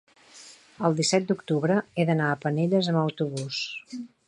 el disset d'octubre he d'anar a Penelles amb autobús.